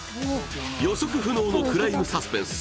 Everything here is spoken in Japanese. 予測不能のクライムサスペンス